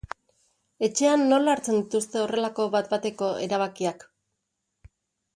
Etxean nola hartzen dituzte horrelako bat-bateko erabakiak?